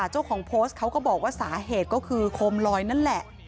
เจ้าของโพสต์เขาก็บอกว่าสาเหตุก็คือโคมลอยนั่นแหละ